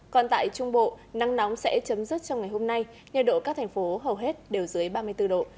còn tại trung bộ nắng nóng sẽ chấm dứt trong ngày hôm nay nhiệt độ các thành phố hầu hết đều dưới ba mươi bốn độ